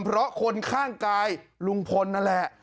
เพราะคนข้างกายลุงพลนั่นแหละ